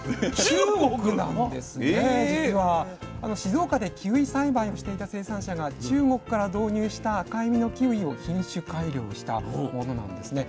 静岡でキウイ栽培をしていた生産者が中国から導入した赤い実のキウイを品種改良したものなんですね。